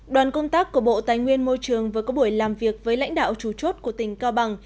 đoàn công tác của bộ tài nguyên môi trường vừa có buổi làm việc với lãnh đạo trù chốt của tỉnh cao bằng